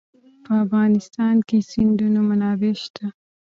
په افغانستان کې د سیندونه منابع شته.